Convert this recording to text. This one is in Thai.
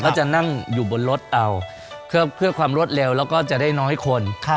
ก็จะนั่งอยู่บนรถเอาเพื่อความรวดเร็วแล้วก็จะได้น้อยคน